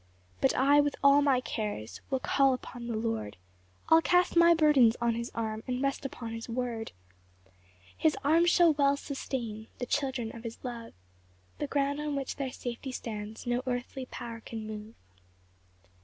5 But I with all my cares Will call upon the Lord, I'll cast my burdens on his arm, And rest upon his word, 6 His arm shall well sustain The children of his love; The ground on which their safety stands No earthly power can move.